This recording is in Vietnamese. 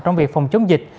trong việc phòng chống dịch